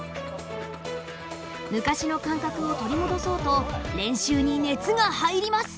昔の感覚を取り戻そうと練習に熱が入ります。